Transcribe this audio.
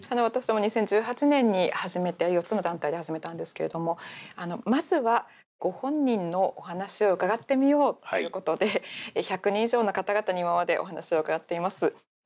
私も２０１８年に始めて４つの団体で始めたんですけれどもまずはご本人のお話を伺ってみようということで１００人以上の方々に今までお話を伺っています。